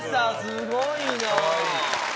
すごいな。